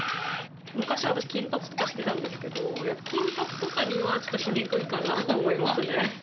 昔は私、金髪とかしてたんですけど、金髪とかには、ちょっとしにくいかなと思いますね。